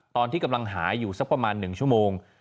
ตอนที่กำลังหาอยู่สักประมาณ๑ชั่วโมง